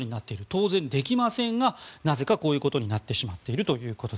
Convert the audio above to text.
当然できませんがなぜかこういうことになってしまっていると。